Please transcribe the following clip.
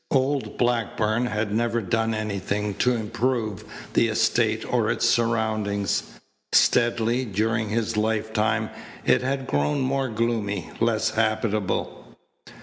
Old Blackburn had never done anything to improve the estate or its surroundings. Steadily during his lifetime it had grown more gloomy, less habitable.